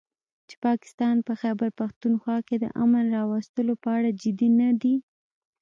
چې پاکستان په خيبرپښتونخوا کې د امن راوستلو په اړه جدي نه دی